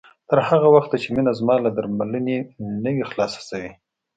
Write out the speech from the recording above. تر هغه وخته چې مينه زما له درملنې نه وي خلاصه شوې